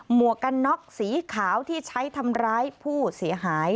วกกันน็อกสีขาวที่ใช้ทำร้ายผู้เสียหาย